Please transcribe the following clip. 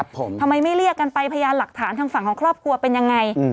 ทำไมไม่เรียกกันไปพยานหลักฐานทางฝั่งของครอบครัวเป็นยังไง